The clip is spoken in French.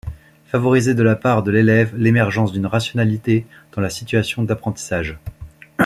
Favoriser de la part de l’élève l’émergence d’une rationalité dans la situation d’apprentissage.